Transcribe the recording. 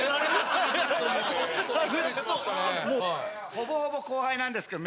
ほぼほぼ後輩なんですけど。